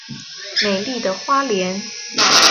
美丽的花莲